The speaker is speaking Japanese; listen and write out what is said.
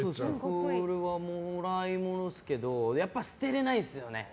これはもらいものですけどやっぱり、捨てれないですよね。